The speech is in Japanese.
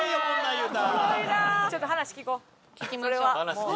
言うた。